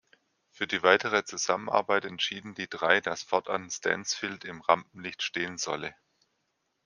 Für die weitere Zusammenarbeit entschieden die drei, dass fortan Stansfield im Rampenlicht stehen solle.